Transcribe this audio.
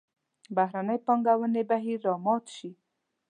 بهرنۍ پانګونې بهیر را مات شي.